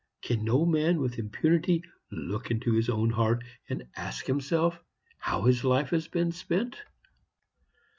Can no man with impunity look into his own heart and ask himself how his life has been spent?"